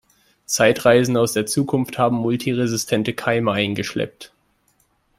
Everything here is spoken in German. Zeitreisende aus der Zukunft haben multiresistente Keime eingeschleppt.